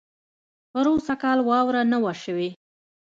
پروسږ کال واؤره نۀ وه شوې